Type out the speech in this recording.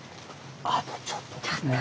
あとちょっとですね。